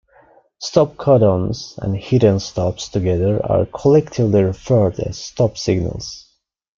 Stop-codons and hidden stops together are collectively referred as stop-signals.